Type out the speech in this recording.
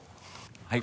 はい。